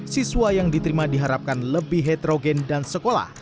siswa yang diterima diharapkan lebih heterogen dan sekolah